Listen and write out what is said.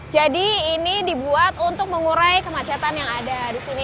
jadi ini dibuat untuk mengurai kemacetan yang ada di sini